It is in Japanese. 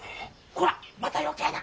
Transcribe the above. こらまた余計な。